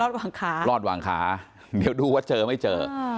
วางขารอดวางขาเดี๋ยวดูว่าเจอไม่เจอ